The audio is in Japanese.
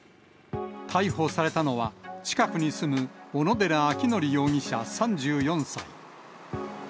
逮捕されたのは、近くに住む小野寺章仁容疑者３４歳。